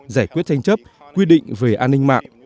giải quyết tranh chấp quy định về an ninh mạng